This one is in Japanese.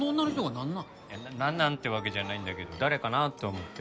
いやなんなん？ってわけじゃないんだけど誰かなって思って。